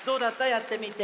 やってみて。